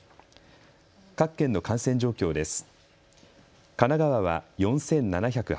各県の感染状況です。